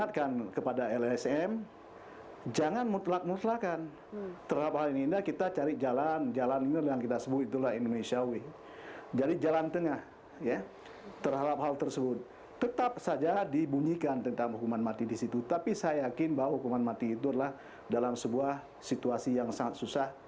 terima kasih terima kasih